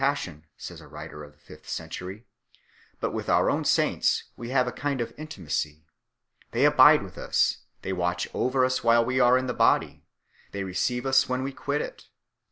sion, says a writer of the fifth century 1 , but with our own saints we have a kind of intimacy. They abide with us, they watch over us while we are in the body, they receive us when we quit it.